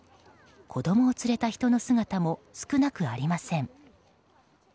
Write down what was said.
子供を連れた人の姿も少なくありません。